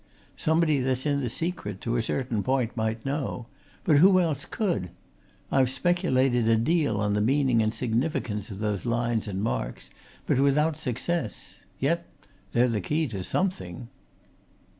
Somebody that's in the secret, to a certain point, might know but who else could? I've speculated a deal on the meaning and significance of those lines and marks, but without success. Yet they're the key to something."